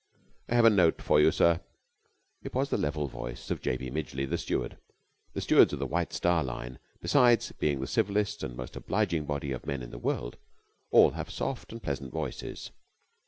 "I have a note for you, sir." It was the level voice of J. B. Midgeley, the steward. The stewards of the White Star Line, besides being the civillest and most obliging body of men in the world, all have soft and pleasant voices.